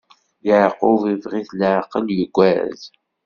Yeɛqub iffeɣ-it leɛqel, yugad.